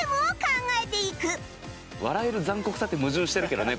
「笑える残酷さ」って矛盾してるけどね